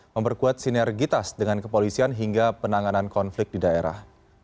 memperkuat sinergitas dengan kepolisian hingga penanganan konflik di daerah